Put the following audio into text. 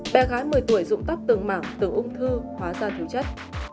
bé gái một mươi tuổi dụng tóc từng mảng từng ung thư hóa ra thiếu chất